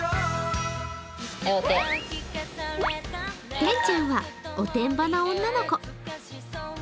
てんちゃんはおてんばな女の子。